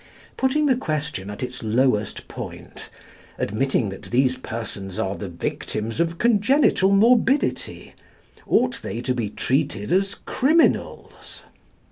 Putting the question at its lowest point, admitting that these persons are the victims of congenital morbidity, ought they to be treated as criminals?